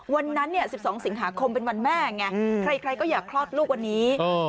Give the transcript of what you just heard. วันนั้น๑๒สิงหาคมเป็นวันแม่ไงใครก็อยากคลอดลูกวันนี้